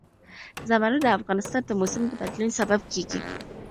زمرد د افغانستان د موسم د بدلون سبب کېږي.